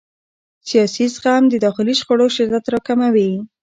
سیاسي زغم د داخلي شخړو شدت راکموي